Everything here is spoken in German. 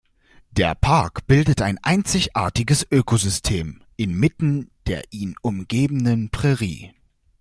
Der Park bildet ein einzigartiges Ökosystem inmitten der ihn umgebenden Prärie.